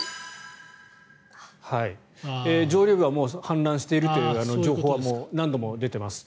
上流部はもう氾濫しているという情報は何度も出ています。